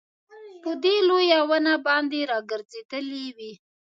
په دې لويه ونه باندي راګرځېدلې وې